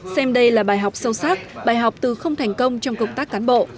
xem đây là bài học sâu sắc bài học từ không thành công trong công tác cán bộ